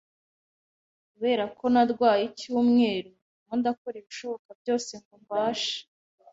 Kubera ko narwaye icyumweru, ndimo ndakora ibishoboka byose ngo mbashe.